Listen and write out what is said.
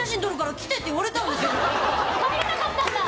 帰れなかったんだ。